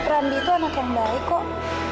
randi itu anak yang baik kok